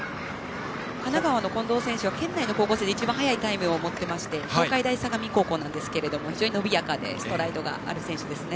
神奈川の近藤選手は県内の高校生で一番速いタイムを持っていて東海大相模高校ですが非常に伸びやかでストライドがある選手ですね。